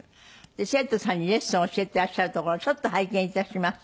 生徒さんにレッスン教えてらっしゃるところちょっと拝見致します。